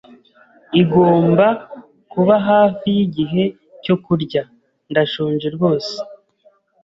Igomba kuba hafi yigihe cyo kurya. Ndashonje rwose.